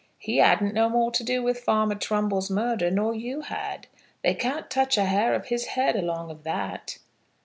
He hadn't no more to do with Farmer Trumbull's murder nor you had. They can't touch a hair of his head along of that."